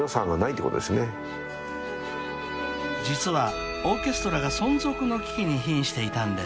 ［実はオーケストラが存続の危機にひんしていたんです］